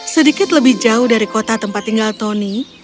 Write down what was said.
sedikit lebih jauh dari kota tempat tinggal tony